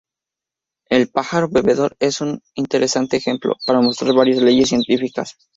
El pájaro bebedor es un interesante ejemplo para mostrar varias leyes científicas.